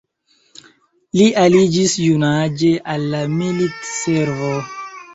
Li aliĝis junaĝe al la militservo.